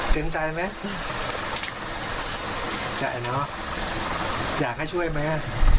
เต้นใจมั้ยจะเนอะอยากให้ช่วยมั้ย